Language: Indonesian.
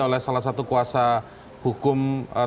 oleh salah satu kuasa hukum